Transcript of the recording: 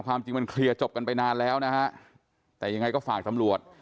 ความจริงมันเคลียร์จบกันไปนานแล้วนะฮะแต่ยังไงก็ฝากตำรวจ